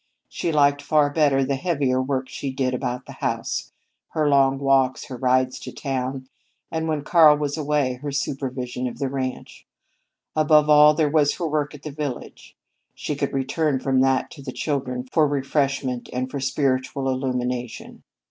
She liked far better the heavier work she did about the house, her long walks, her rides to town, and, when Karl was away, her supervision of the ranch. Above all, there was her work at the village. She could return from that to the children for refreshment and for spiritual illumination.